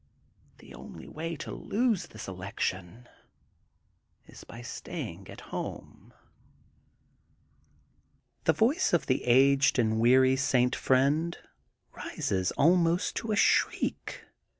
The only way to lose this election is by staying at home/' The voice of the aged and weary St. Friend rises almost to a shriek.